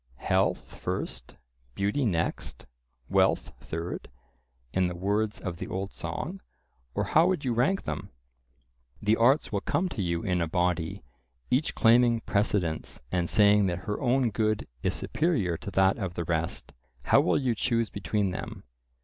"Health first, beauty next, wealth third," in the words of the old song, or how would you rank them? The arts will come to you in a body, each claiming precedence and saying that her own good is superior to that of the rest—How will you choose between them?